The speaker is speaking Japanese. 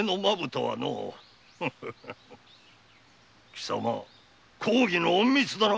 貴様公儀の隠密だな。